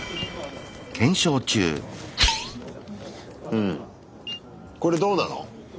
うんこれどうなの？